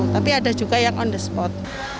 tapi ada juga yang on the spot